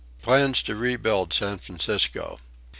Plans to Rebuild San Francisco.